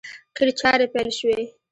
قیر چارې پیل شوې!